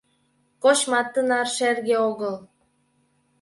Кочмат тынар шерге огыл.